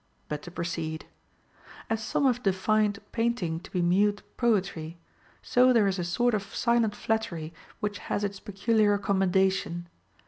15. But to proceed. As some have defined painting to be mute poetry, so there is a sort of silent flattery which has its peculiar commendation.